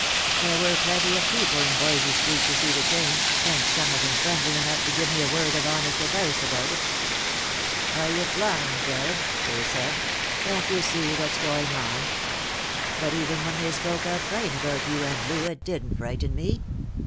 There were plenty of people in Yoysey street to see the change, and some of 'em friendly enough to give me a word of honest advice about it. ' Are you blind, Jarred?' they said. ' Can't you see what's going on ?' But even when they spoke out plain about you and Loo, it didn't frighten me.